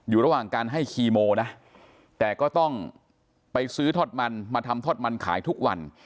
ระหว่างการให้คีโมนะแต่ก็ต้องไปซื้อทอดมันมาทำทอดมันขายทุกวัน